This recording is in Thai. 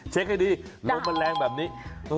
ให้ดีลมมันแรงแบบนี้